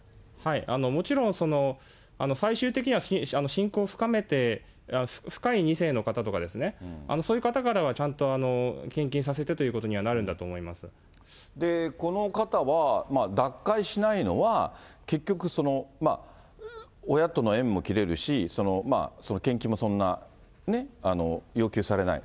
もちろん、最終的には信仰を深めて、深い２世の方とかですね、そういう方からはちゃんと献金させてということにはなるんだと思この方は、脱会しないのは、結局、親との縁も切れるし、献金もそんなね、要求されない。